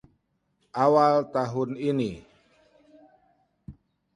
awal tahun ini